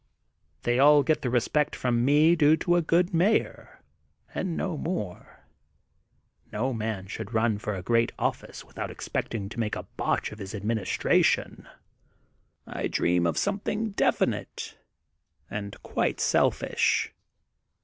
They all get THE GOLDEN BOOK OF SPRINGFIELD 277 the respect from me due to a good mayor, and no more* No man should run for a great office without expecting to make a botch of his ad ministration. I dream of something definite and quite selfish.